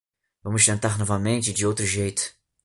Vamos tentar novamente de outro jeito